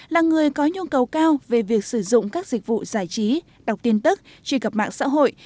là người có nhu cầu cao về việc sử dụng các dịch vụ giải trí đọc tin tức truy cập mạng xã hội